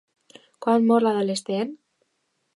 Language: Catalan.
Quan mor l'adolescent?